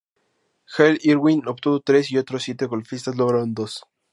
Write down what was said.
Hale Irwin obtuvo tres, y otros siete golfistas lograron dos.